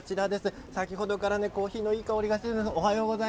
先ほどからコーヒーのいい香りがする。